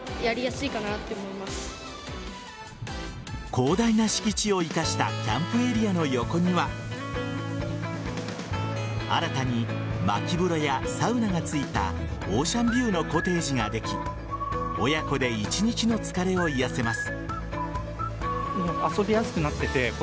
広大な敷地を生かしたキャンプエリアの横には新たにまき風呂やサウナがついたオーシャンビューのコテージができ親子で一日の疲れを癒やせます。